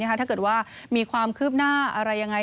ถ้าเกิดว่ามีความคืบหน้าอะไรยังไง